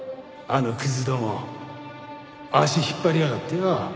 あのクズども足引っ張りやがってよ。